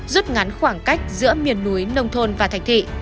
rút ngắn khoảng cách giữa miền núi nông thôn và thành thị